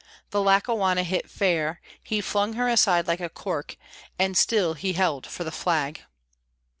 The Lackawanna hit fair, He flung her aside like cork, And still he held for the Flag.